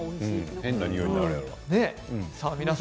変なにおいになるんだと。